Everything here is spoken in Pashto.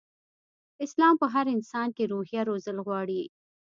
اسلام په هر انسان کې روحيه روزل غواړي.